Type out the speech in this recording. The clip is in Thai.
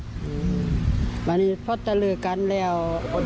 เพราะไม่เคยถามลูกสาวนะว่าไปทำธุรกิจแบบไหนอะไรยังไง